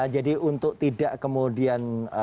jadi untuk tidak kemudian